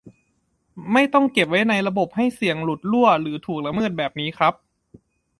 ไม่ต้องเก็บไว้ในระบบให้เสี่ยงหลุดรั่วหรือถูกละเมิดแบบนี้ครับ